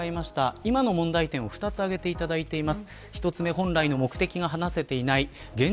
今の問題点を２つ上げてもらっています。